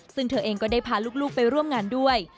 ซึ่งเธอเองก็ได้พาลูกไปร่วมงานด้วย